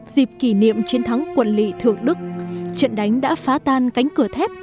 dịp kỷ niệm chiến thắng quận lị thượng đức trận đánh đã phá tan cánh cửa thép